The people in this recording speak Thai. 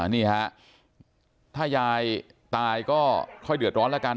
นี่ฮะถ้ายายตายก็ค่อยเดือดร้อนแล้วกัน